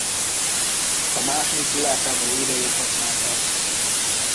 A második világháború idején használták.